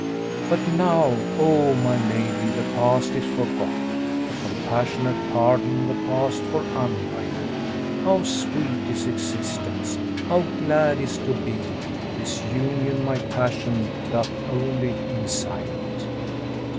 But now, O my lady, the Past is forgot; * The Compassionate pardon the Past for unright! How sweet is existence, how glad is to be! * This union my passion doth only incite."